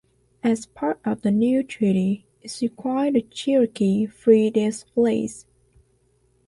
As part of the new treaty, it required the Cherokee free their slaves.